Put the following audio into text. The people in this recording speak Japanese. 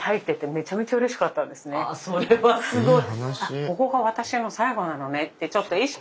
あそれはすごい。